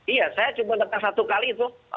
iya saya cuma dengar satu kali itu